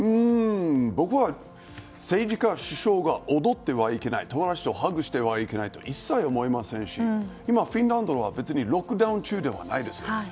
僕は、政治家、首相が踊ってはいけない友達とハグしてはいけないとは思わないですし今、フィンランドは別にロックダウン中ではないです。